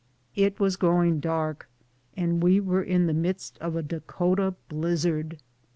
It was growing dark, and we were in the midst of a Dakota blizzard.